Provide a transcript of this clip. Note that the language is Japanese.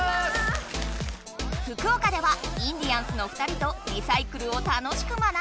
福岡ではインディアンスの２人とリサイクルを楽しく学んだよ！